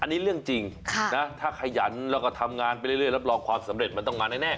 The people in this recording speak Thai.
อันนี้เรื่องจริงนะถ้าขยันแล้วก็ทำงานไปเรื่อยรับรองความสำเร็จมันต้องมาแน่